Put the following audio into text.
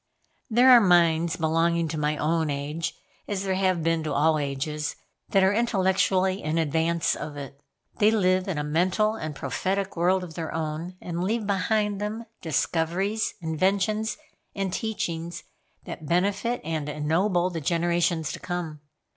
There are minds belonging to my own age, as there have been to all ages, that are intellectually in advance of it. They live in a mental and prophetic world of their own, and leave behind them discoveries, inventions and teachings that benefit and ennoble the generations to come.